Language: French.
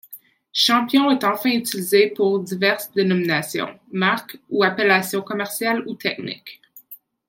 Champion est enfin utilisé pour diverses dénominations, marques ou appellations commerciales ou techniques.